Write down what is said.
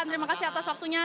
terima kasih atas waktunya